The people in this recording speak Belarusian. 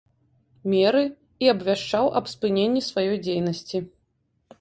Меры, і абвяшчаў аб спыненне сваёй дзейнасці.